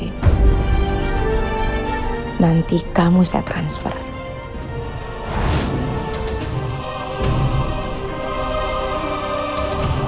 ini kita pasti akan keluar dari sini